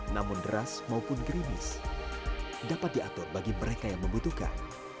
namun deras maupun gerimis dapat diatur bagi mereka yang membutuhkan